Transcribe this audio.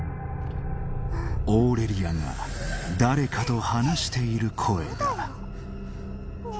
オーレリアが誰かと話している声だそうだよね